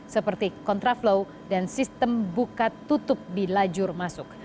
seperti kontraflow dan sistem buka tutup di lajur masuk